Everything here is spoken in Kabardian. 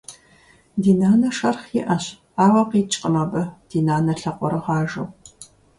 Ди нанэ шэрхъ иӏэщ, ауэ къикӏкъым абы, ди нанэ лъакъуэрыгъажэу.